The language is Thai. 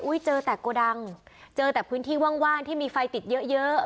เจอแต่โกดังเจอแต่พื้นที่ว่างที่มีไฟติดเยอะเยอะ